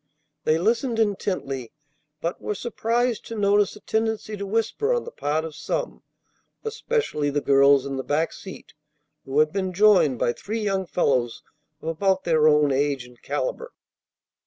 They listened intently, but were surprised to notice a tendency to whisper on the part of some, especially the girls in the back seat, who had been joined by three young fellows of about their own age and caliber.